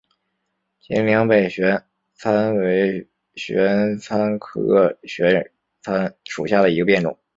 秦岭北玄参为玄参科玄参属下的一个变种。